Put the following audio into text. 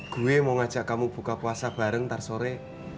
gue mau ngajak kamu buka puasa bareng ntar sore